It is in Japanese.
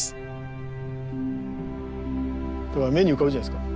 目に浮かぶじゃないですか。